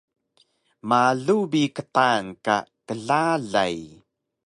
Malu bi qtaan ka klalay